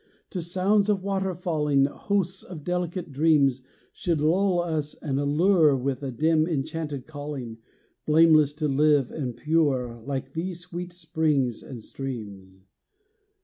To sounds of water falling, Hosts of delicate dreams Should lull us and allure With a dim, enchanted calling, Blameless to live and pure Like these sweet springs and streams.